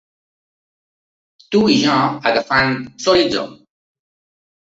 Tu i jo agafant l’horitzó.